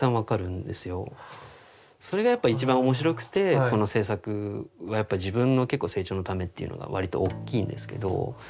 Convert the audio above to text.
それがやっぱ一番面白くてこの制作は自分の成長のためっていうのがわりと大きいんですけど。